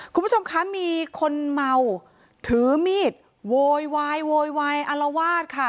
คุณผู้ชมคะมีคนเมาถือมีดโวยวายโวยวายอารวาสค่ะ